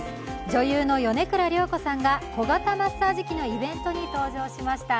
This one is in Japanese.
女優の米倉涼子さんが小型マッサージ器のイベントに登場しました。